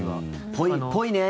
ぽい、ぽいね。